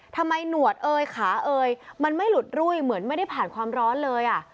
หนวดเอยขาเอ่ยมันไม่หลุดรุ่ยเหมือนไม่ได้ผ่านความร้อนเลยอ่ะ